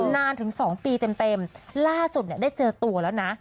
นานถึง๒ปีเต็มล่าสุดเนี่ยได้เจอตัวแล้วนะ